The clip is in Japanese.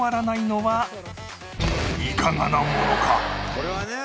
「これはね」